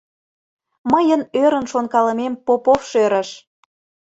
Мыйын ӧрын шонкалымем Попов шӧрыш.